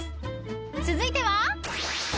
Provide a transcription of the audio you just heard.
［続いては］